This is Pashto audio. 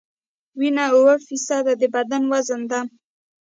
وینه اووه فیصده د بدن وزن ده.